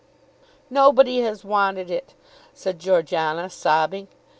"Nobody has wanted it," said Georgiana sobbing.